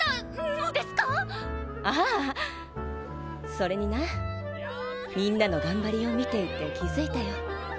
それになみんなの頑張りを見ていて気づいたよ。